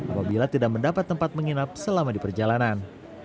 apabila tidak mendapat tempat menginap selama diperjalanan